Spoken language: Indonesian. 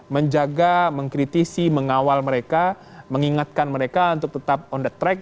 menjaga mengkritisi mengawal mereka mengingatkan mereka untuk tetap on the track